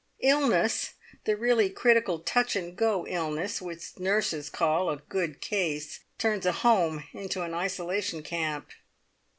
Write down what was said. Illness, the really critical touch and go illness which nurses call "a good case," turns a home into an isolation camp.